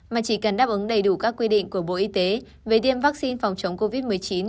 mà chỉ cần đáp ứng đầy đủ các quy định của bộ y tế về tiêm vaccine phòng chống covid một mươi chín